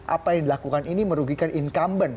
apa yang dilakukan ini merugikan incumbent